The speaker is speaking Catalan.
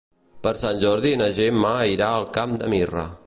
Per Sant Jordi na Gemma irà al Camp de Mirra.